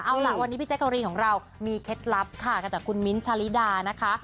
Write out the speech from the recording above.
เอาล่ะวันนี้พี่แจกรีนของเรามีเคล็ดลับค่ะกันจากคุณมิ้นท์ชาลิดานะคะ